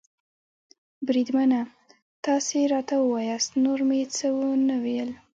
بریدمنه، تاسې راته ووایاست، نور مې څه و نه ویل.